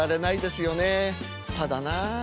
ただなあ